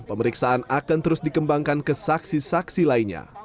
pemeriksaan akan terus dikembangkan ke saksi saksi lainnya